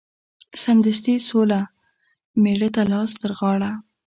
سمدستي سوله مېړه ته لاس ترغاړه